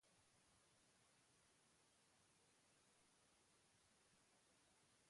Behin baino gehiagotan izan zen ministro.